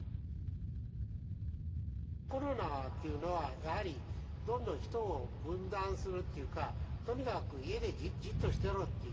コロナというのはやはりどんどん人を分断するっていうかとにかく家でじっとしてろっていう。